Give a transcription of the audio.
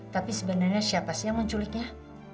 tapi sebenarnya siapa sih yang menculiknya